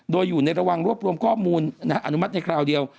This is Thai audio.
โดยอยู่ในระหว่างรวบรวมข้อมูลอนุมัติในคราวเดียว